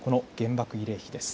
原爆慰霊碑です。